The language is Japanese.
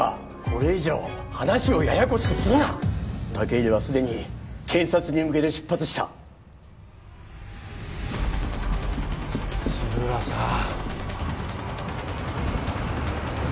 これ以上話をややこしくするな武入はすでに検察に向けて出発した志村さん